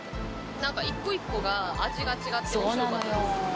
なんか一個一個が味が違っておもしろかったです。